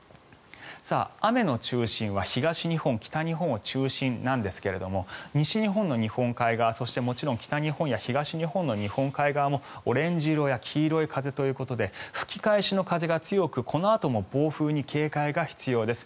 雨の中心は東日本、北日本が中心なんですが西日本の日本海側そして、もちろん北日本や東日本の日本海側もオレンジ色や黄色い風ということで吹き返しの風が強くこのあとも暴風に警戒が必要です。